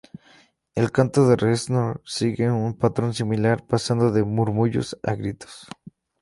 El canto de Reznor sigue un patrón similar, pasando de murmullos a gritos.